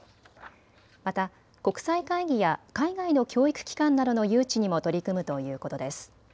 また国際会議や海外の教育機関などの誘致にも取り組むということです。